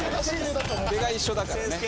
出が一緒だからね。